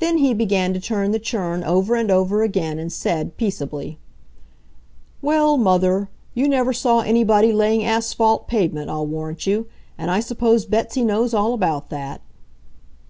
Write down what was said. Then he began to turn the churn over and over again and said, peaceably: "Well, Mother, you never saw anybody laying asphalt pavement, I'll warrant you! And I suppose Betsy knows all about that."